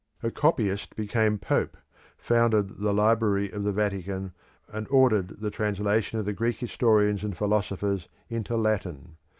A copyist became Pope, founded the Library of the Vatican, and ordered the translation of the Greek historians and philosophers into Latin.